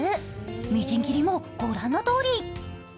みじん切りもご覧のとおり。